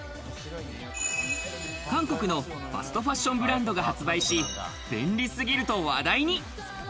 韓国のファストファッションブランドが発売し、便利すぎると話題に。